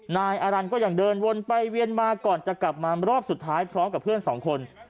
นายอารันทร์ก็ยังเดินวนไปเวียนมาก่อนจะกลับมารอบสุดท้ายพร้อมกับเพื่อนสองคน